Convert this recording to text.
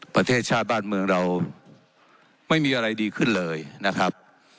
ประเทศชาติบ้านเมืองเราไม่มีอะไรดีขึ้นเลยนะครับ